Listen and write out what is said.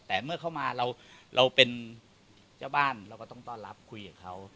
แต่เมื่อเข้ามาเราเป็นเจ้าบ้านเราก็ต้องต้อนรับคุยกับเขา